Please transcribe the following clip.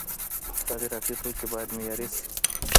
صادراتي توکي باید معیاري سي.